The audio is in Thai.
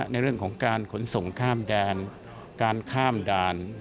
ในเรื่องของการขนส่งข้ามด่าน